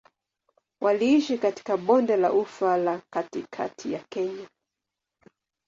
Waliishi katika Bonde la Ufa na katikati ya Kenya.